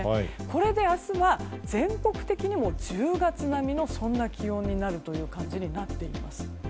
これで明日は全国的にも１０月並みのそんな気温になるという感じになってきます。